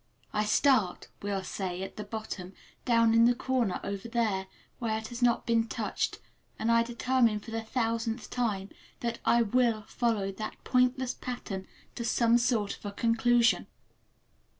I start, we'll say, at the bottom, down in the corner over there where it has not been touched, and I determine for the thousandth time that I will follow that pointless pattern to some sort of a conclusion.